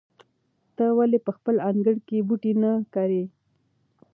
ته ولې په خپل انګړ کې بوټي نه کرې؟